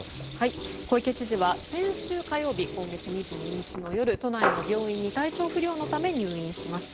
小池知事は先週火曜日今月２２日の夜都内の病院に体調不良のために入院しました。